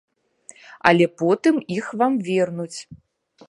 Але потым іх вам вернуць.